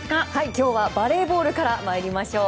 今日はバレーボールから参りましょう。